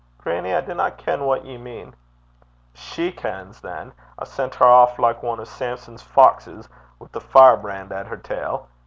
'Grannie, I dinna ken what ye mean.' 'She kens, than. I sent her aff like ane o' Samson's foxes, wi' a firebrand at her tail.